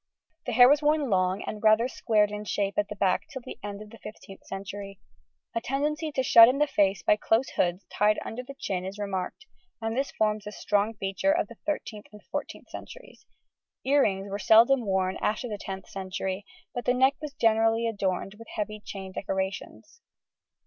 The hair was worn long and rather squared in shape at the back till the end of the 15th century. A tendency to shut in the face by close hoods tied under the chin is remarked, and this forms a strong feature of the 13th and 14th centuries. Ear rings were seldom worn after the 10th century; but the neck was generally adorned with heavy chain decorations.